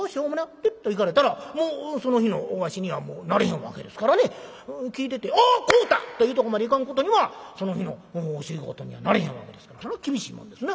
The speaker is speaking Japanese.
ぴゅっと行かれたらもうその日のお足にはもうなれへんわけですからね聞いてて「おう！買うた！」というとこまでいかんことにはその日のお仕事にはなれへんわけですからそれは厳しいもんですな。